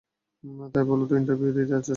ভাই বললো তুই ইন্টারভিউ দিতে যাচ্ছিস।